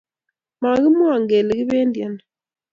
makimwowon kele kibendii ano